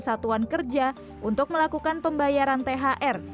satuan kerja untuk melakukan pembayaran thr